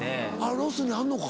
ロスにあんのか。